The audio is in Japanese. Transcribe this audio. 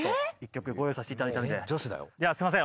すいません。